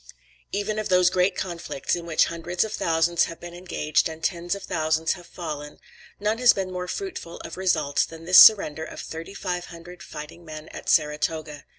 "Even of those great conflicts, in which hundreds of thousands have been engaged and tens of thousands have fallen, none has been more fruitful of results than this surrender of thirty five hundred fighting men at Saratoga.